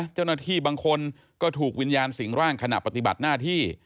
เจ้าหน้าที่บางคนก็ถูกวิญญาณสิ่งร่างขณะปฏิบัติหน้าที่